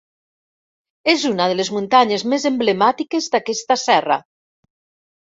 És una de les muntanyes més emblemàtiques d'aquesta serra.